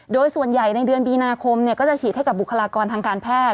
โดยส่วนใหญ่ในเดือนมีนาคมก็จะฉีดให้กับบุคลากรทางการแพทย